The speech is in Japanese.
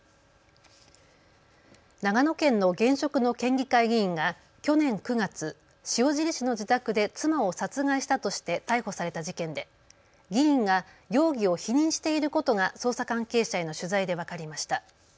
長野県の現職の県議会議員が去年９月、塩尻市の自宅で妻を殺害したとして逮捕された事件で議員が容疑を否認していることが捜査関係者への取材で分かりました。